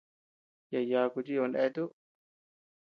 Yaʼa yaku chiba neatuu.